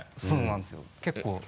そうなんですよ結構。